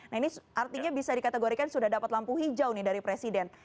nah ini artinya bisa dikategorikan sudah dapat lampu hijau nih dari presiden